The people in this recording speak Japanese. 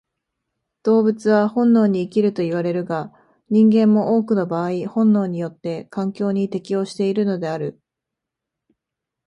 動物は本能に生きるといわれるが、人間も多くの場合本能によって環境に適応しているのである。